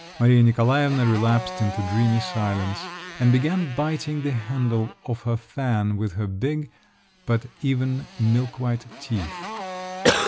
Maria Nikolaevna relapsed into dreamy silence, and began biting the handle of her fan with her big, but even, milkwhite teeth.